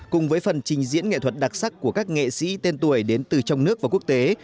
cùng với phần trình diễn nghệ thuật đặc sắc của các nghệ sĩ tên tuổi đến từ trong nước và quốc tế